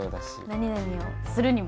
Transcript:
何何をするにも。